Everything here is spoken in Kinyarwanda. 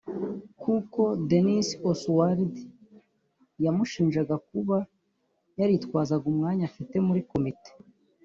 kuko Denis Oswald yamushinjaga kuba yaritwazaga umwanya afite muri Komite